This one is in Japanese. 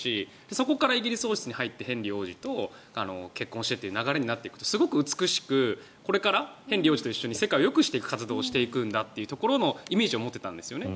そこからイギリス王室に入ってヘンリー王子と結婚してという流れになっていくとすごく美しくこれからヘンリー王子と一緒に世界をよくしていく活動をしていくんだというイメージを持っていたんですね。